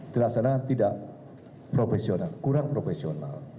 di sana tidak profesional kurang profesional